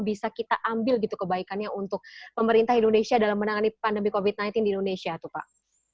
bisa kita ambil gitu kebaikannya untuk pemerintah indonesia dalam menangani pandemi covid sembilan belas di indonesia tuh pak